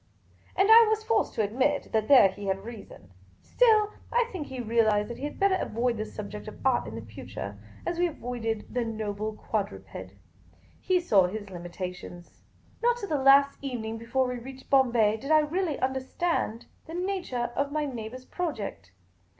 And I was forced to admit that there he had reason. Still, I think he realised that he had better avoid the sub ject of art in future, as we avoided the noble quadruped. He saw his limitations. Not till the last evening before we reached Bombay did I really understand the nature of my neighbour's project.